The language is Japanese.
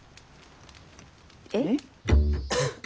えっ？